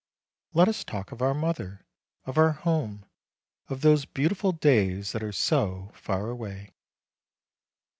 Let us talk of our mother, of our home, of those beautiful days that are so far away."